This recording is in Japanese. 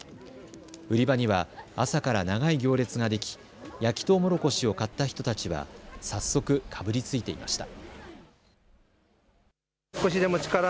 売り場には朝から長い行列ができ焼きとうもろこしを買った人たちは早速かぶりついていました。